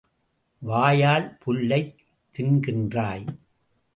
வாயால் புல்லைத் தின்கின்றாய்.